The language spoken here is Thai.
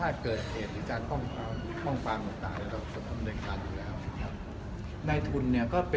เนื้อแต่เราก็ระวังอยู่แล้วระวังอยู่แล้วนะครับ